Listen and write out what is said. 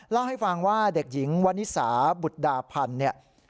เล่าให้ฟังว่าเด็กหญิงวันนิสาบุตรดาพันธุ์เนี่ย